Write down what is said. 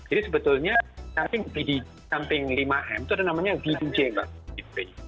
jadi sebetulnya samping lima m itu ada namanya vdj bahasa indonesia